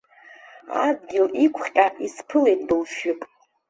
Адгьыл иқәҟьа исԥылеит былфҩык.